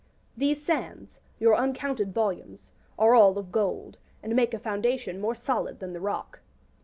These sands, your uncounted volumes, are all of gold, and make a foundation more solid than the rock.